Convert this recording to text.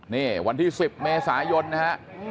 นี่วันที่๑๐เมษายนนะฮะ